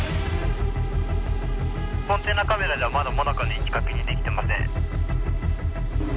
コンテナカメラではまだＭＯＮＡＣＡの位置確認できてません。